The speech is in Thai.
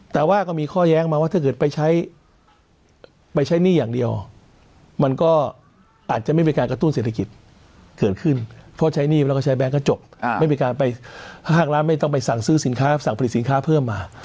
แต่ว่าก็มีข้อแย้งมาว่าถ้าเกิดไปใช้ไปใช้หนี้อย่างเดียวมันก็อาจจะไม่มีการกระตุ้นเศรษฐกิจเกิดขึ้นเพราะใช้หนี้แล้วก็ใช้แบงค์ก็จบไม่มีการไปห้างร้านไม่ต้องไปสั่งซื้อสินค้าสั่งผลิตสินค้าเพิ่มมา